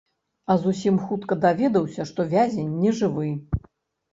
А зусім хутка даведаўся, што вязень нежывы.